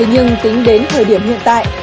nhưng tính đến thời điểm hiện tại